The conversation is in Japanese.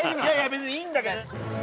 別にいいんだけど。